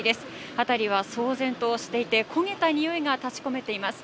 辺りは騒然としていて、焦げた臭いが立ち込めています。